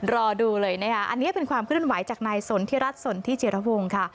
รอดูเลยนะอันนี้เป็นความขึ้นไหวจากนายสนธิรัฐสนธิเจียรภูมิค่ะ